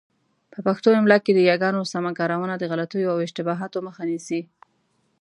په پښتو املاء کي د یاګانو سمه کارونه د غلطیو او اشتباهاتو مخه نیسي.